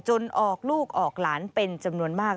ออกลูกออกหลานเป็นจำนวนมาก